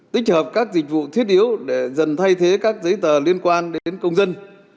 tích hợp các dịch vụ thiết yếu để dần thay thế các giấy tờ liên quan đến công dân